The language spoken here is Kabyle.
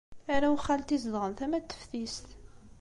Arraw n xalti zedɣen tama n teftist.